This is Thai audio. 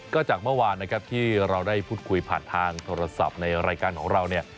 ก็จากเมื่อวานนะครับที่เราได้พูดคุยผ่านทางโทรศัพท์ในรายการของเราเนี่ย